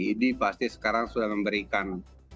idi pasti sekarang sudah memberikan